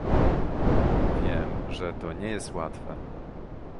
Wiem, że to nie jest łatwe